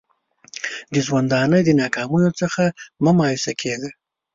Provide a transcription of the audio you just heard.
د ژوندانه د ناکامیو څخه مه مایوسه کېږه!